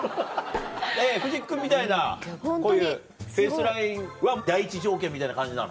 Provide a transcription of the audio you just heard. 藤木君みたいなこういうフェースラインは第一条件みたいな感じなの？